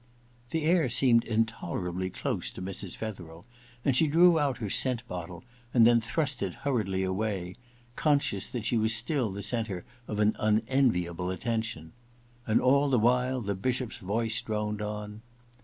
...' The air seemed intolerably close to Mrs. Fetherel, and she drew out her scent bottle, and y EXPIATION 115 thien thrust it hurriedly away, conscious that she was still the centre of an unenviable atten tion. And all the while the Bishop's voice droned on.